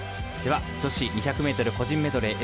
女子２００ｍ個人メドレー